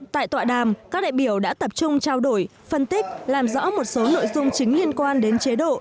tại tọa đàm các đại biểu đã tập trung trao đổi phân tích làm rõ một số nội dung chính liên quan đến chế độ